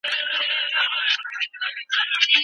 په سوداګرۍ کې ریښتیا ووایئ.